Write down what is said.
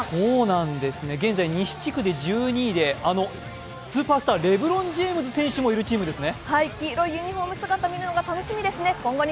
現在、西地区で１２位であのスーパースター、レブロン・ジェームズ選手もいるチームですね。